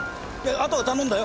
あとは頼んだよ。